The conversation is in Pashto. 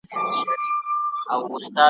نن به دي سېل د توتکیو تر بهاره څارې `